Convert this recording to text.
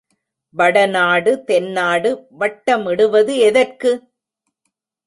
வடநாடு தென்நாடு வட்டமிடுவது எதற்கு?